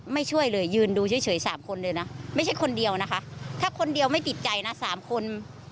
ไม่ใช่คนเดียวนะคะถ้าคนเดียวไม่ติดใจนะ๓คน